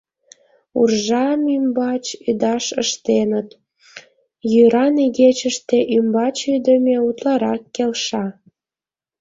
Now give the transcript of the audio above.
Уржам ӱмбач ӱдаш ыштеныт, йӱран игечыште ӱмбач ӱдымӧ утларак келша.